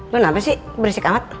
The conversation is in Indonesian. lo nampak sih berisik amat